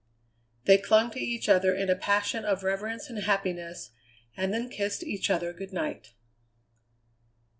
They clung to each other in a passion of reverence and happiness, and then kissed each other good night.